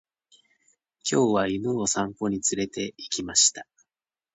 今日は犬を散歩に連れて行きました。